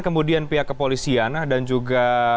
kemudian pihak kepolisian dan juga